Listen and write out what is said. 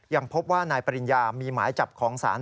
ยังพบว่านายปริญญามีหมายจับของศาล